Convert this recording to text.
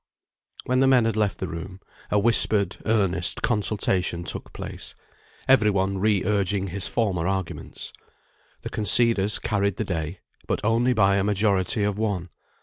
When the men had left the room, a whispered earnest consultation took place, every one re urging his former arguments. The conceders carried the day, but only by a majority of one.